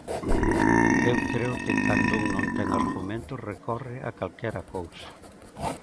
Eu creo que cando un non ten argumentos recorre a calquera cousa.